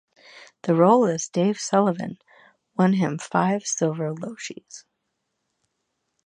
The role as Dave Sullivan won him five Silver Logies.